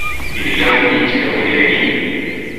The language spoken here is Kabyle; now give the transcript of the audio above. Yella win yettdawin dagi?